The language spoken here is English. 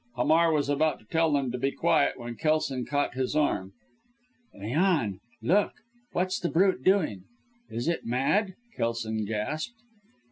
Hamar was about to tell him to be quiet when Kelson caught his arm. "Look, Leon! Look! What's the brute doing? Is it mad?" Kelson gasped.